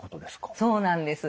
そうなんです。